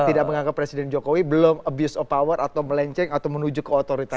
tidak menganggap presiden jokowi belum abuse of power atau melenceng atau menuju ke otoritas